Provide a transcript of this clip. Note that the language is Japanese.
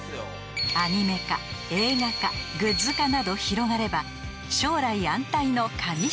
［アニメ化映画化グッズ化など広がれば将来安泰の］